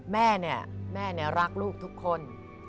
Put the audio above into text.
แม่เนี่ยแม่รักลูกทุกคน